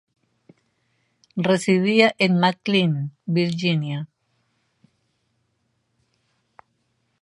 Residía en McLean, Virginia.